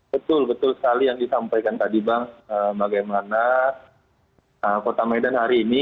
betul betul sekali yang disampaikan tadi bang bagaimana kota medan hari ini